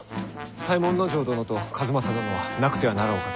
左衛門尉殿と数正殿はなくてはならんお方。